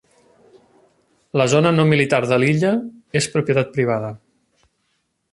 La zona no militar de la illa és propietat privada.